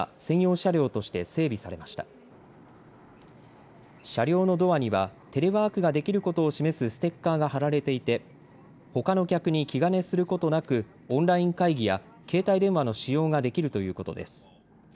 車両のドアにはテレワークができることを示すステッカーが貼られていてほかの客に気兼ねすることなくオンライン会議や携帯電話の使用ができるということです。